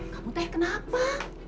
kamu tanya kenapa